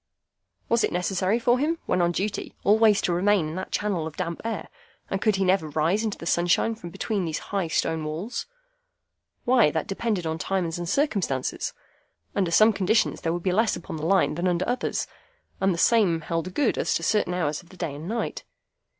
Was it necessary for him when on duty always to remain in that channel of damp air, and could he never rise into the sunshine from between those high stone walls? Why, that depended upon times and circumstances. Under some conditions there would be less upon the Line than under others, and the same held good as to certain hours of the day and night.